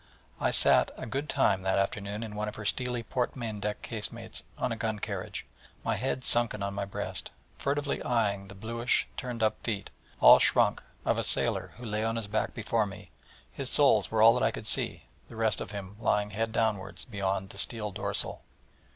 I sat a good time that afternoon in one of her steely port main deck casemates on a gun carriage, my head sunken on my breast, furtively eyeing the bluish turned up feet, all shrunk, exsanguined, of a sailor who lay on his back before me; his soles were all that I could see, the rest of him lying head downwards beyond the steel door sill.